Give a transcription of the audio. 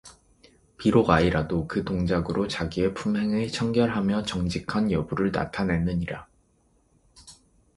비록 아이라도 그 동작으로 자기의 품행의 청결하며 정직한 여부를 나타내느니라